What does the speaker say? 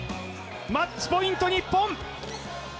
マッチポイント、日本。